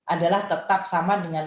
adalah tetap sama dengan